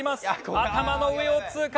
頭の上を通過。